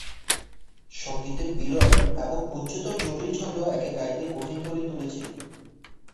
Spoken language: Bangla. সঙ্গীতের বিরল এবং উচ্চতর জটিল ছন্দ একে গাইতে কঠিন করে তুলেছে।